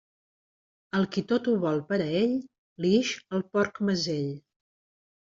Al qui tot ho vol per a ell, li ix el porc mesell.